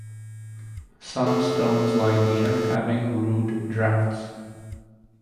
Some stones lie near having rude drafts.